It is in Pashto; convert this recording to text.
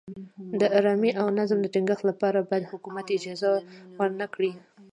د ارامۍ او نظم د ټینګښت لپاره باید حکومت اجازه ورنه کړي.